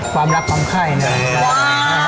ความรักคร้ำไข้